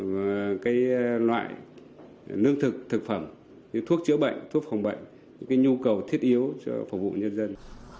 và loại nước thực thực phẩm như thuốc chữa bệnh thuốc phòng bệnh những nhu cầu thiết yếu cho phục vụ nhân dân